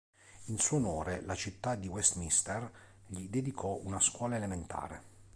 In suo onore la città di Westminster gli dedicò una scuola elementare.